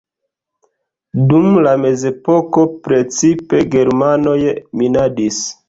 Dum la mezepoko precipe germanoj minadis.